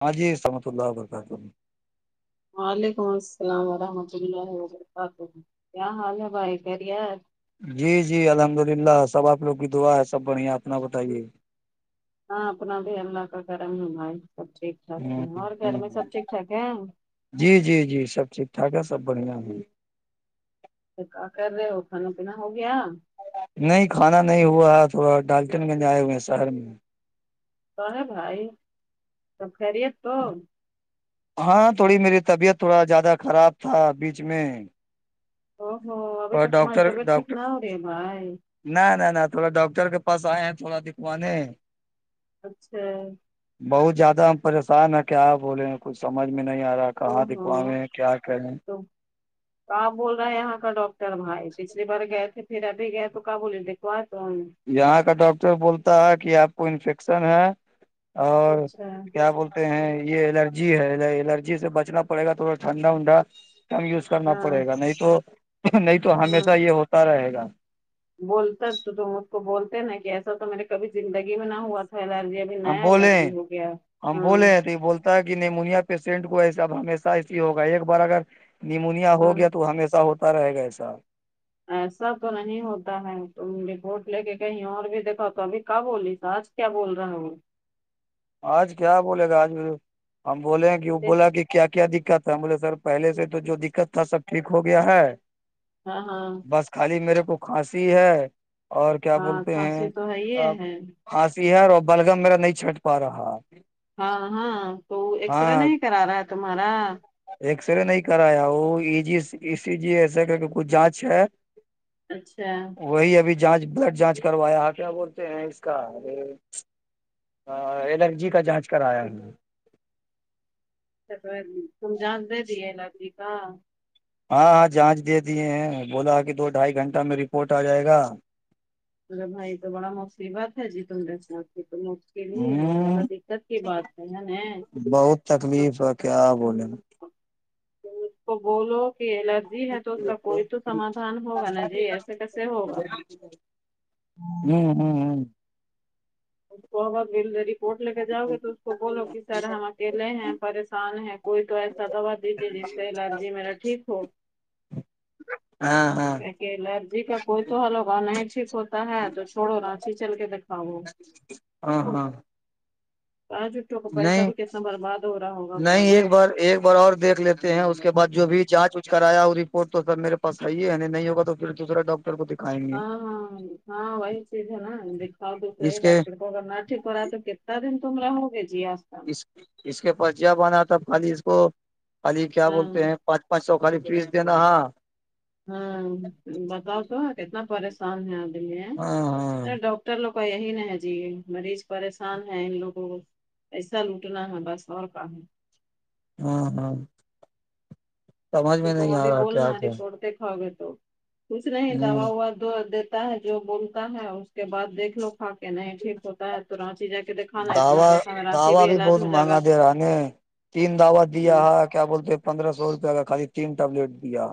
ہاں جی سحمت اللہ و برکاتہ وعلیکم السلام ورحمۃ اللہ وبرکاتہ کیا حال ہے بھائی خریار جی جی الحمد للہ سب آپ لوگ کی دعا ہے سب بڑھیا اپنا بتائیے ہاں اپنا بھی اللہ کا گرم ہی بھائی سب ٹھیک ٹھاک ہے ہ اور ہ گھر میں سب ٹھیک ٹھاک ہے جی جی جی سب ٹھیک ٹھاک ہے سب بڑھیاں ہے تو کا کر رہے ہو کھانا پینا ہو گیا نہیں کھانا نہیں ہوا تھوڑا ڈالٹن گنج آئے ہوئے ہیں شہر میں تو ہے بھائی تو خریت تو ہاں تھوڑی میری طبیعت تھوڑا زیادہ خراب تھا بیچ میں او ہو ابھی اور تک تمہاری ڈاکٹر طبیعت ٹھیک ڈاکٹر نہ ہو رہی ہے بھائی نہ نہ نہ تھوڑا ڈاکٹر کے پاس آئے ہیں تھوڑا دکھوانے اچھا بہت زیادہ ہم پریشان ہیں کیا آپ بولے ہیں کچھ سمجھ میں نہیں آ رہا او کہاں ہو دکھواے کیا کہیں کہ بول رہا ہے یہاں کا ڈاکٹر بھائی پچھلی بار گئے تھے پھر ابھی گئے تو کہ بولے دکھوا تو ہم یہاں کا ڈاکٹر بولتا ہے کہ آپ کو انفیکشن ہے اور اچھا کیا بول یہ الرجی ہے الرجی سے بچنا پڑے گا تھوڑا ٹھنڈا ونڈا کم یوز کرنا ہاں پڑے گا نہیں تو نہیں تو ہاں ہمیشہ یہ ہوتا رہے گا بولتا تو ت اس کو بولتے نا کہ ایسا تو میرے کبھی زندگی میں نہ ہوا تھا لال ہم بولے ہم بولے ہیں تو یہ بولتے کہ نیمونیا پیشنٹ کو ایسے اب ہمیشہ اس لیے ہوگا ایک بار اگر نیمونیا ہو ہاں گیا تو ہمیشہ ہوتا رہے گا ایسا ایسا تو نہیں ہوتا ہے تم رپورٹ لے کے کہیں اور بھی دیکھا تو ابھی کب ہوولی سج کیا بول رہا ہو آج کیا بولے گا آج ہم بولے ہیں کہ وہ بولا کہ کیا کیا دقت س بولے سر پہلے سے تو جو دقت تھا سب ٹھیک ہو گیا ہے ہاں ہاں بس خالی میرے کو کھانسی ہے اور کیا ہاں بولتے ہیں کھانسی تو ہے ا یہ ہے ہاسی ہر اور بلگم میرا نہیں چھٹ پا رہا ہاں ہاں تو ایکس رے نہیں کرا رہا ہے تمہارا ایکس رے نہیں کرایا وہ ای جیی جی ایسا کہ کہ کچھ جانچ ہے اچھا وہی ابھی جانچ بلڈ جانچ کروایا ہے کیا بولتے ہیں اس کا ارے الرجی کا جانچ کرایا ہے تم جان دے دیے آتیھی کا ہاں ہاں جانچ دے دیے ہیں بولا کہ دو ڈھائی گھنٹہ میں رپورٹ آ جائے گا تیرے بائی تو بڑا مصیبت ہے جی تم د س تو ہی ہے ہمم بڑا دقت کی بات ہے ہے نا بہت تو تکلیف ہے کیا بولے نا اس کو بولو کہ جی ہے تو اس کا کوئی تو سمادھان ہوگا نا جی ایسے کیسے ہوگا ہمم‌ہمم‌ہمم کوبا بل دری کوٹ لے کے جاؤ گے تو اس کو بولو کہ سر ہم اکیلے ہیں پریشان ہیں کوئی تو ایسا دوا دیجے جی ایلرجی میرا ٹھیک ہو ہاں ہاں کہ الرجی کا کوئی تو حل ہوگا نہیں ٹھیک ہوتا ہے تو چھوڑو راچی چل کے دکھاؤو ہاں ہاں جٹوں کو پیسہ نہیں بھی کتنا برباد ہو رہا ہو نہیں ایک بار ایک بار اور دیکھ لیتے ہیں اس کے بعد جو بھی جانچ کرایا وہ رپورٹ تو سب میرے پاس ہی ہے نہیں ہوگا تو پھر دوسرا ڈاکٹر کو دکھائیں گے ہاں ہاں ہاں وہی چیز ہے نا دکھاؤ دکھ اس رہے کے ڈاکٹر گرناٹ کرا تو کتتا دن تم ر ہوگے جی آستا اس اس کے پاس جبناا تھا خالی اس کو خالی کیا بولتے ہاں ہیں پانچ پانچ سو خالی فیس دینا ہاں ہاں بتاؤ تو کتنا پریشان ہے ابھی میں ہاں ہاں ارے ڈاکٹر لوگ کا یہی نہ ہے جی مریض پریشان ہے ان لوگوں کو ایسا لوٹنا ہے بس اور کام ہے ہاں ہاں سمجھ تو میں تم نہیں آ ابھی رہا بولنا کیا ا کہ رپڑ د کھا گے تو کچھ نہیں ہ دوا ہوا دیتا ہے جو بولتا ہے اس کے بعد دیکھ لو کھا کے نہیں ٹھیک ہوتا ہے تورانچی جا کے د دوا دوا بھی بہت گا مہنگا دے رہا نے تین دوا دیا ہے کیا بولتے ہیں پندرہ سو روپیہ کا خالی تین ٹیبلیٹ دیا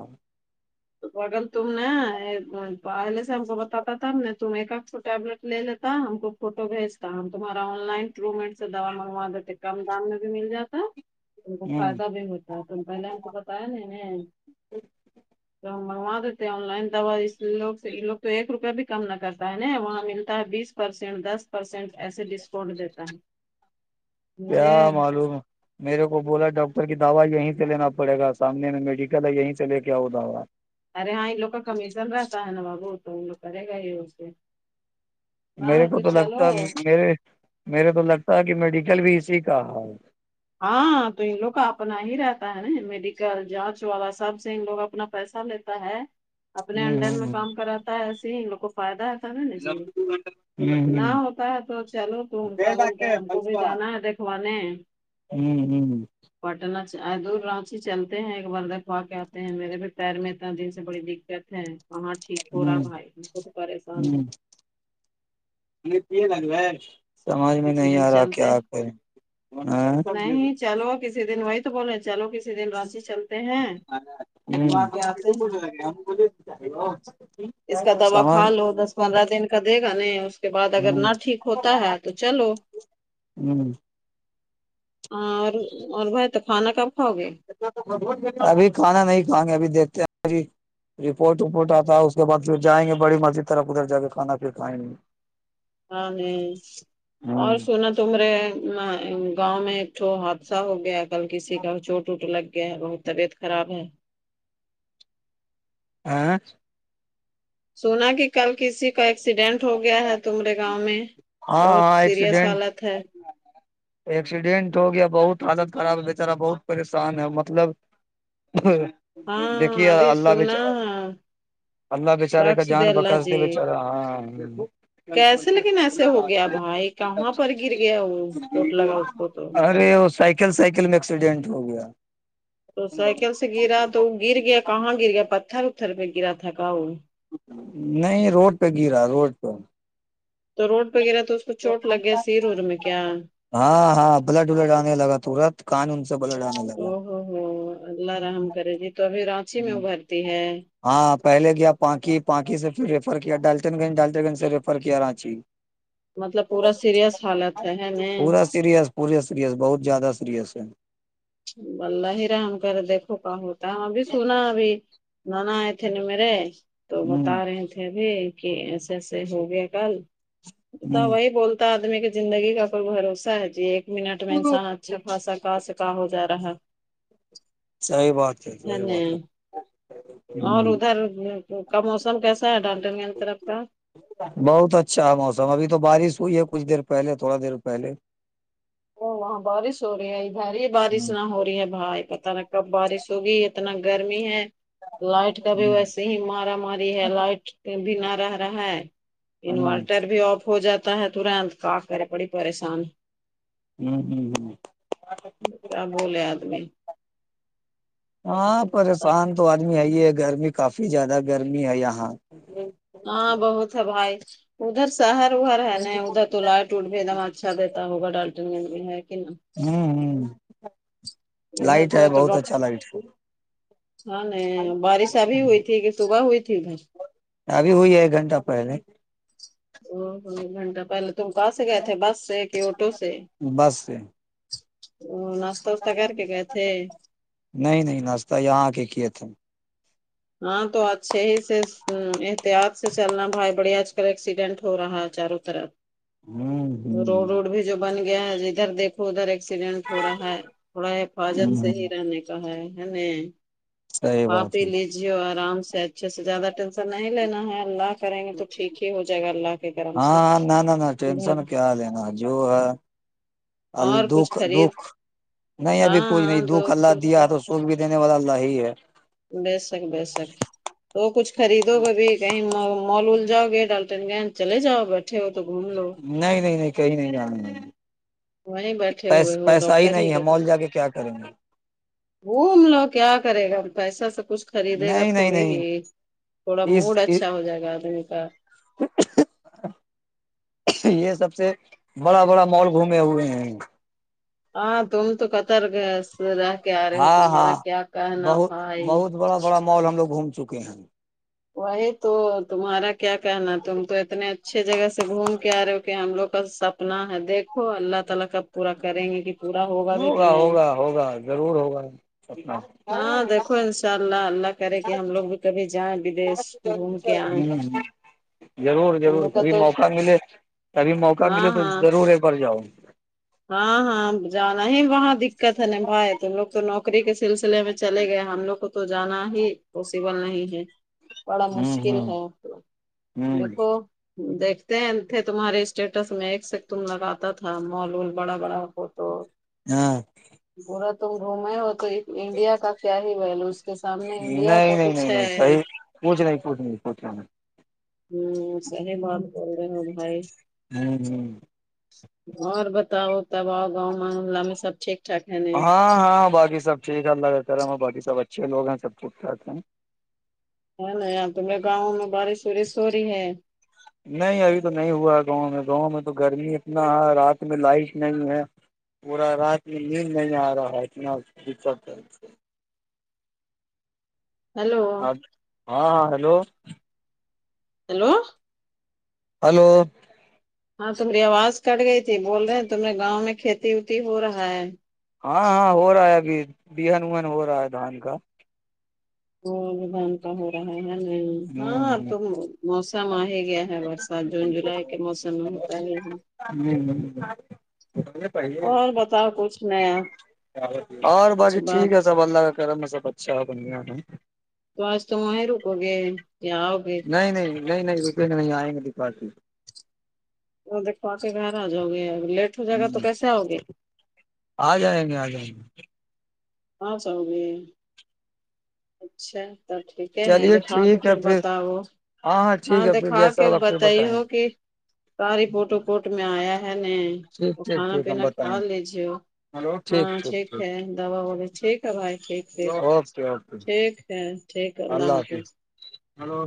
تو اگل تم نے پہلے سے ہم کو بتاتا تھا تم ایک آھ کو ٹیبلیٹ لے لیتا ہم کو فوٹو بھیجتا ہم تمہارا آن لائن تھرو منٹ سے دوا منگوا دیتے کم دام میں بھی مل جاتا ان کو ہے ہ فائدہ بھی ہوتا ہے تم پہلے ہم کو بتایا نہیں میں تو منگوا دیتے ہیں آن لائن دوا اس لوگ سے یہ لوگ تو ایک روپیہ بھی کم نہ کرتا ہے نا وہاں ملتا ہے بیس پرسینٹ دس پرسینٹ ایسے ڈسکاؤنٹ دیتا ہے مجھے کیا معلوم میرے کو بولا ڈاکٹر کی دا یہیں سے لینا پڑے گا سامنے میں میڈیکل ہے یہیں سے لے کےؤ دوا ارے ہاں ان لوگ کا کمیشن رہتا ہے نا بابو تو ان لوگ کرے گا ہی سے نہ میرے ہے کو تو لگتا چلو مے میرے تو لگتا ہے کہ میڈیکل بھی اسی کا ح ہاں تو ان لوگ کا اپنا ہی رہتا ہے نا میڈیکل جانچ والا سب سے ان لوگ اپنا پیسہ لیتے اپنے ہ انڈر میں کام کراتا ہے ایسے ہی ان لوگ کو فائدہ ہےتا نا نا جی ہ ہ نہ ہوتا ہے تو چلو تو ان کا بولتے ہیں ہم کو بھی جانا ہے دیکھوانے ہوں ہوں پٹنہ دور رانچی چلتے ہیں ایک بر دکھوا کے آتے ہیں میرے بھی پیر میںت دن سے بڑی دقت وہاں ٹھیک ہ ہو رہا ہ بھائی بک تو پریشان ہ سمج میں کسی نہیں دن آ رہا کیا چلتے کریں نہیں چلو کسی دن وی تو بول چلو کسی ک دن رانچی چلتے ہیں لوا کے آتے ہیں اس کا دوا کھا سمجھ لو دس پندرہ دن کا دے گا نہیں اس کے بعد اگر نہ ٹھیک ہوتا ہے تو چلو ہاں اور اور بھائی تو کھانا کب کھاؤ گے ابھی کھانا نہیں کھائیں گے ابھی دیکھتے ہیں اھی رپورٹ وپورٹ آتا ہے اس کے بع پھر جائیں گےڑی مرضی طرف ادھر ج کے کانا پھر کھائیں گے ہاں نہیں ہوں اور سنا تو مے گاؤں میں ھو حادثہ ہو گیا ہے کل کسی کا چوٹ ووٹ لگ گیا ہے بہت طبیعت خراب ہے ہاں [inaudible] سونا کے کل کسی کا ایکسیڈینٹ ہو گیا ہے تمرے گاؤں میں بہت ہاں سیریس ایکسیڈینٹ حالت ہے ایکسیڈینٹ ہو گیا بہت حالت خراب ہے بیچارا بہت پریشان ہے مطلب دیکھیے ہاں ابھی اللہ ب سنا اللہ بچارے کا رقص جان دے اللہ بکاس کے جی بیچارے ہاں ہ ب کیسے لیکن ایسے ہو گیا بھائی کہاں پر گر گیا وہ چوٹ لگا اس کو تو ارے ا سائل ل سائیکل میں ایکسیڈنٹ ہو گیا تو سائیکل سے گرا تو گر گیا کہاں گر گیا پتھر اتھر پہ گرا تھا کہ وہ نہیں روڈ پہ گرا روڈ پہ تو روڈ وغیرہ تو اس کو چوٹ لگ گیا سیر ار میں کیا ہاں ہاں بلڈ ولڈ آنے لگا تورت قانون سے بلڈ آنے او لگا ہو ہو اللہ رحم کرے جی تو ابھی رانچی میں ہوں ابھرتی ہے ہاں پہلے گیا پانکی پانکی سے پھر ریفر کیا ڈالچن گنج ڈالچن گنج سے ریفر کیا رانچی مطلب پورا سیریئس حالت ہے ہے ن پورا سیریس پوریے سیریس بہت زیادہ سیریس ہے بلہ ہی رام کر دیکھو کا ہوتا ہے ابھی سنا ابھی نانا آئے تھے نا میرے تو ہ بتا رہے تھے ابھی کہ ایسے ایسے ہوگیا کل تا ہ وہی بولتا آدمی کی زندگی کا کوئی بھروسہ ہے جی ایک منٹ میں انسان اچھا خاصا کہ سکا ہو جا رہا صحی بات ہے صحی بات ہے اور ادھر کا موسم کیسا ہے ڈانٹن میں ان طرف کا بہت اچھا ہے موسم ابھی تو بارش ہوئی ہے کچھ دیر پہلے تھوڑا دیر پہلے وہ وہاں بارش ہو رہی ہے ا بھر ہی بارش نہ ہو رہی ہے بھائی پت لگتا کب بارش ہوگی اتنا گرمی ہے لائٹ کا بھی ویسے ہی مارا ماری ہے لائٹ بھی نہ رہ رہا ہے انورٹر بھی آف ہو جاتا ہے ترنت کا کرے پڑی پریشان ہوں ہ ہ کیا بولے آدمی ہاں پریشان تو آدمی ہے ہی ہے گرمی کافی زیادہ گرمی ہے یہاں ہاں بہت ہے بھائی ادھر شہر اہر ہے نا ادھر تو لائٹ ٹوٹ پے دا اچھا دیتا ہوا ڈاکٹر نے بھی ہے کہنا [unintelligible] ہوں ہ ادھر لائٹ ہے تو تو بہت اچھا ڈاکٹر لائٹ [unintelligible] ہاں نہیں بارش ابھی ہوئی تھی کہ صبح ہوئی تھی ادھر [unintelligible] ابھی ہوئی ہے ایک گھنٹہ پہلے او ایک گھنٹہ پہلے تم کوا سے گ تھے بس سے کہ آٹو سے بس سے [unintelligible] ا [inaudible] نہیں نہیں ناشہ یہاں آ کے کی ات ہم [unintelligible] ہاں تو اچھے ہی سے احتیاط سے چلنا بھائی بڑی آج کل ایکسیڈینٹ ہو رہا ہے چاروں طرف ہ تو روڈ ووڈ ہ بھی جو بن گیا ہے ادھر دیکھ [unintelligible] ادھر ایکسیڈینٹ ہو رہا ہے تھوڑا حفاظت سے ہ ہی رہنے کا ہے ہے ن صحیح [unintelligible] آپ بات ہی ہے لیجیے آرام سے اچھے سے زیادہ ٹینشن نہیں لینا ہے اللہ کریں گے تو ٹھیک ہی ہو جائے گا اللہ کے گرم سے ہاں نہ نہ نہ ٹینشن [unintelligible] کیا لینا جو ہے [unintelligible] ال اور کچھ دکھ خرید دکھ نہیں ہاں ابھی کچھ ہاں نہیں دکھ دو اللہ سو دیا روپے، تو وہ بھی دینے والا اللہ ہی ہے [unintelligible] بےسک بیےسک تو کچھ خریدو ببھی کہیں مال وول جاؤ گے ڈالٹن گ چلے جاؤ بیٹھے ہو تو گھوم لو نہیں نہیں نہیں کہیں نہیں جانیں وہیں بیٹھے پس ہوئے ہو پیسہ ہی ڈاکٹر نہیں ہے مال جا کے کیا کریں گے وہوم لوگ کیا کرے گا ہم پ ایسا سب کچھ خریدے گا نہیں نہیں تھوڑی ہی نہیں تھوڑا موڈ اس اچھا ہو جائے گا آدمی کا [inaudible] یہ سب سے بڑا بڑا مال گھومے ہوئے ہیں [unintelligible] ہاں تم تو قطر گئے رہ کے آ رہے ہو ہاں تمہارا ہاں کیا کہنا بہت بھائی بہت بڑا بڑا مال ہم لوگ گھوم چکے ہیں [unintelligible] وہی تو تمہارا کیا کہنا تم تو اتنے [unintelligible] بھی کہ ہوگا نہیں ہوگا ہوگا ضرور ہوگا اپنا ہاںی ہاں دیکھو انشاء اللہ اللہ کرے کہ ہم لوگ بھی کبھی جائیں ودیش گھوم کے آئیں [unintelligible] ضرور تم ضرور لوگ کا کبھی تو موقع ملے کبھی موقع ہاں ملے تو ہاں ضرور ایک بار جاؤ ہاں ہاں جانا ہی وہاں دقت ہے ن بھائی تم لوگ تو نوکری نوکری کے سلسلے میں چلے گئے ہم لوگ کو تو جانا ہی پوسبل نہیں ہے [unintelligible] بڑا ہوں مشکل ہوں ہے ہوں دیکھو دیکھتے ہیں تھے تمہارے اسٹیٹس میں ایک سے تم لگاتا تھا مالون [unintelligible] بڑا بڑا فوٹو [unintelligible] ہاں [unintelligible] پورا توم روم ہی ہو تو انڈیا کا کیا ہی ویلو اس کے سامنے انڈیا کا نہیں کچھ ہے اچھا [unintelligible] ہوں صحیح بات بول رہے ہو بھائی [unintelligible] ہوں ہوں اور بتاؤ تب آؤ گاؤں محلہ میں سب ٹھیک ٹھاک ہے نا ہاں ہاں باقی سب ٹھیک اللہا باقی سب اچھے لوگ ہیں سب ٹوٹے ہیں ہے نا ار تمارے گاؤں میں بارش وورش ہو رہی ہے نہیں ابھی تو نہیں ہوا ہے گاؤں میں گاؤں میں تو گرمی اتنا ہے رات میں لائٹ نہیں ہے پورا رات میں نیند نہیں آ رہا ہے اتنا دقت ہلو ہ ہاں ہاں ہیلو [unintelligible] ہیلو [unintelligible] ہلو [unintelligible] ہاں تمہاری آواز کٹ گئی تھی بول رہے ہیں تمے گاؤں میں کھیتی وتی ہو رہا ہے ہاں ہاں ہو رہا ہے ابھی بہن وہن ہو رہا ہے دھان کا [unintelligible] ہو رہا ہے ن ہاں تو موسم آ ہی گیا ہے برسات جون جولائی کے موسم میں ا ہ ہ ہے پائیے اور بتاؤ کچھ نیا اور کچھ باقی ٹھیک ہے بات سب اللہ کا کرم سب اچھا بنیا ہے تو آج تو وہیں رکو گے یا آؤ گے نہیں نہیں نہیں نہیں رکے نہیں آئیں گے دپارٹی وہ د پا کے گیر آ جؤ گی ا لیٹ ہو جائے گا تو کیسے آؤ گے ہ آ جائیں گے آ جائیں گے پاں س ہو گئے اچھا ٹھیکے ہیں چلیے دکھا کے ٹھیک ہے پھر بتاؤ ہاں ٹھیک ہے پھر دکھا جیسا کے ہوگا پھر بتائی بتائیں ہو گے کہ ساریپورٹ وپورٹ میں آیا ہے ن ٹھیک تو ٹھیک کھانا ٹھیک ہم پینا کھا بتائیں لیججی ہاں ٹھیک ہے دوا وغیر ٹھیک ہے بھائی ٹھیک ہےھیک اوکے اوکے ٹھیک ہے اللہ حافظ ہلو